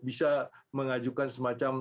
bisa mengajukan semacam